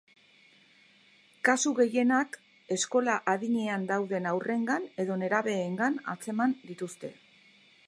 Kasu gehienak eskola adinean dauden haurrengan edo nerabeengan atzeman dituzte.